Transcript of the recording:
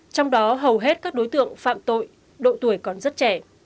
trong đó hầu hết các đối tượng phạm tội độ tuổi còn rất trẻ